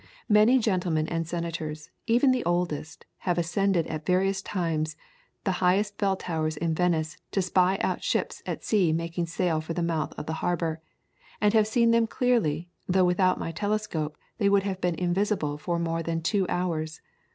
Many gentlemen and senators, even the oldest, have ascended at various times the highest bell towers in Venice to spy out ships at sea making sail for the mouth of the harbour, and have seen them clearly, though without my telescope they would have been invisible for more than two hours.